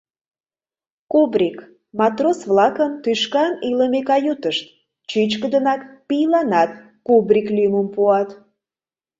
Кубрик — матрос-влакын тӱшкан илыме каютышт, чӱчкыдынак пийланат Кубрик лӱмым пуат.